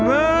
sini bu bos